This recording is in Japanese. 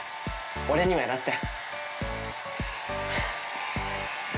俺にもやらせて。